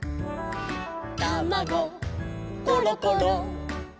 「たまごころころ」